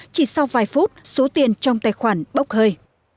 chỉ sau vài phút số tiền trong tài khoản bốc hơi